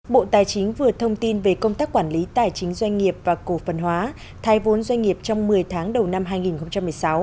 bộ tài chính vừa thông tin về công tác quản lý tài chính doanh nghiệp và cổ phần hóa thoái vốn doanh nghiệp trong một mươi tháng đầu năm hai nghìn một mươi sáu